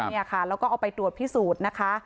เนี่ยค่ะแล้วก็เอาไปตรวจพิสูจน์นะคะ